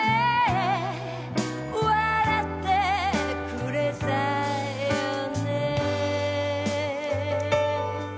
「笑ってくれたよね」